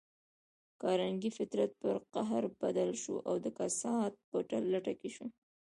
د کارنګي فطرت پر قهر بدل شو او د کسات په لټه کې شو.